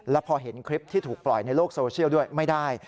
แล้วพอเห็นคลิปที่ถูกปล่อยในโลกโซเชียลด้วยไม่ได้